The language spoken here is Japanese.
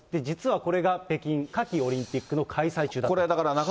実はこれが北京夏季オリンピックの開催中だったと。